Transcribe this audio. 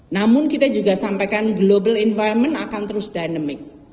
namun kita juga sampaikan global environment akan terus dynamic